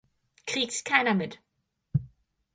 Kriegt keiner mit.